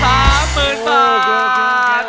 กิเลนพยองครับ